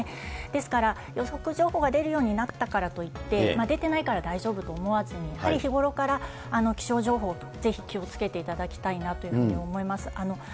ですから、予測情報が出るようになったからといって、出てないから大丈夫と思わずに、やっぱり日ごろから気象情報、ぜひ気をつけていただきたいなと思います。